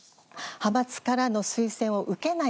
派閥からの推薦を受けない。